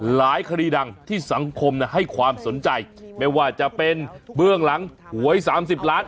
คดีดังที่สังคมให้ความสนใจไม่ว่าจะเป็นเบื้องหลังหวย๓๐ล้าน